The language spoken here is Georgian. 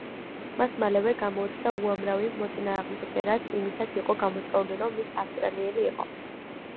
მას მალევე გამოუჩნდა უამრავი მოწინააღმდეგე, რაც იმითაც იყო გამოწვეული, რომ ის ავსტრიელი იყო.